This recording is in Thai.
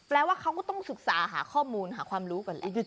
ว่าเขาก็ต้องศึกษาหาข้อมูลหาความรู้ก่อนแหละ